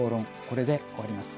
これで終わります。